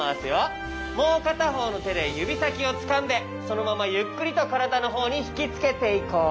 もうかたほうのてでゆびさきをつかんでそのままゆっくりとからだのほうにひきつけていこう。